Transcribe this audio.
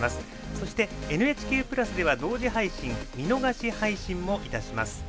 そして、「ＮＨＫプラス」では同時配信、見逃し配信もいたします。